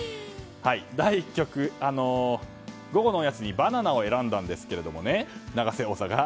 第１局、午後のおやつにバナナを選んだんですけど永瀬王座が。